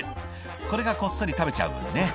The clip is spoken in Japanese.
「これがこっそり食べちゃう分ね」